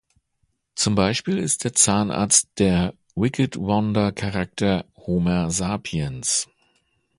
Zum Beispiel ist der Zahnarzt der Wicked-Wanda-Charakter Homer Sapiens.